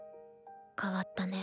変わったね。